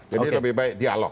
jadi lebih baik dialog